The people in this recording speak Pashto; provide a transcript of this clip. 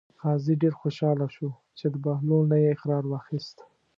قاضي ډېر خوشحاله شو چې د بهلول نه یې اقرار واخیست.